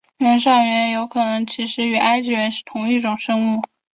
原上猿有可能其实与埃及猿是同一种生物。